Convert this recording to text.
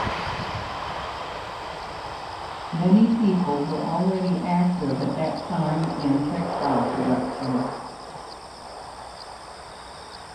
Many people were already active at that time in textile production.